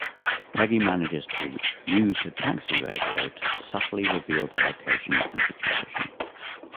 Peggy manages to use the taxi radio to subtly reveal their situation and location.